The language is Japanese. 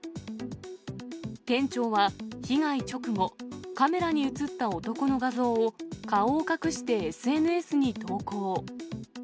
店長は被害直後、カメラに写った男の画像を、顔を隠してＳＮＳに投稿。